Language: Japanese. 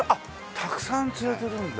たくさん連れてるんだ。